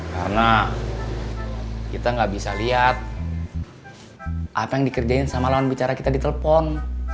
karena kita gak bisa lihat apa yang dikerjain sama lawan bicara kita ditelepon